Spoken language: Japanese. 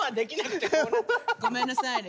ごめんなさいね。